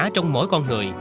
trong mỗi con người